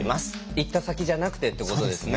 行った先じゃなくてってことですね。